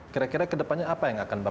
kira kira ke depannya apa yang akan berlaku